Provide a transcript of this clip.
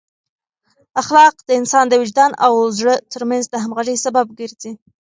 اخلاق د انسان د وجدان او زړه ترمنځ د همغږۍ سبب ګرځي.